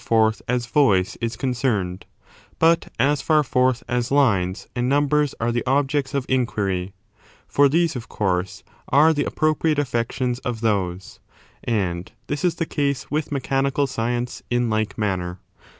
33 f^ forth as voice is concerned, but as far forth as lines and numbers are the objects of inquiry; for these, of course, are the appropriate affections of those : and this is the case with mechanical science in like manner.